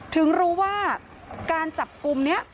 ถึงรู้ว่าการจับกลุ่มนี้